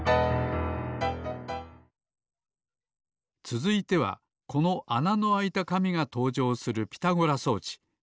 つづいてはこのあなのあいたかみがとうじょうするピタゴラ装置。